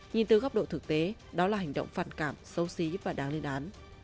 nhìn từ góc độ thực tế đó là hành động phản cảm xấu xí và đáng lên án